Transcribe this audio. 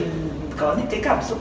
trong tình yêu không